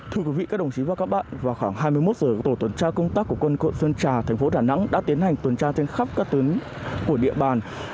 thưa quý vị các đồng chí và các bạn vào khoảng hai mươi một giờ tổ tuần tra công tác của quân quận sơn trà thành phố đà nẵng đã tiến hành tuần tra trên khắp các tuyến của địa bàn